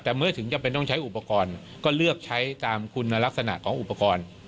แต่เมื่อถึงจำเป็นต้องใช้อุปกรณ์ก็เลือกใช้ตามคุณลักษณะของอุปกรณ์